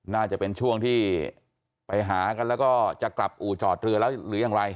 น่าจะเป็นช่วงที่ไปหากันแล้วก็จะกลับอู่จอดเรือแล้วหรือยังไร